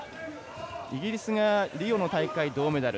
イギリスがリオの大会銅メダル。